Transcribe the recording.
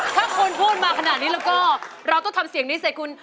ถ้าคุณพูดมาขนาดนี้แล้วก็เราต้องทำเสียงนี้ใส่คุณ